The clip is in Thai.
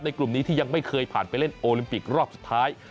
กลุ่มนี้ที่ยังไม่เคยผ่านไปเล่นโอลิมปิกรอบสุดท้าย